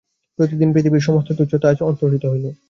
প্রতিদিনের পৃথিবীর সমস্ত তুচ্ছতা আজ অন্তর্হিত হইল।